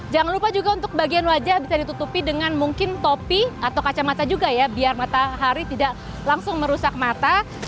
jangan lupa juga untuk bagian wajah bisa ditutupi dengan mungkin topi atau kacamata juga ya biar matahari tidak langsung merusak mata